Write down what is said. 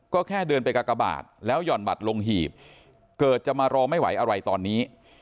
ก็แค่เดินไปกากบาทแล้วห่อนบัตรลงหีบเกิดจะมารอไม่ไหวอะไรตอนนี้